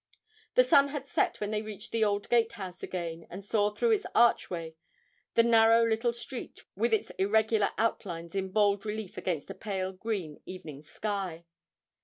The sun had set when they reached the old gatehouse again, and saw through its archway the narrow little street with its irregular outlines in bold relief against a pale green evening sky.